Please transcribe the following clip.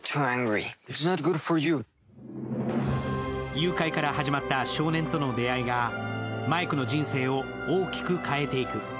誘拐から始まった少年との出会いがマイクの人生を大きく変えていく。